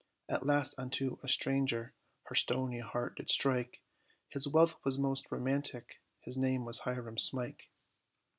At last unto a stranger, her stony heart, did strike, His wealth was most romantic, his name was Hiram Smike.